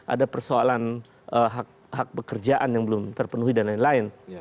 ada persoalan hak pekerjaan yang belum terpenuhi dan lain lain